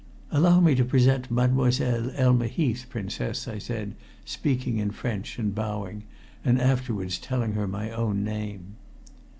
"Allow me to present Mademoiselle Elma Heath, Princess," I said, speaking in French and bowing, and afterwards telling her my own name.